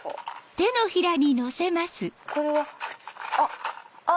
これは。あっ！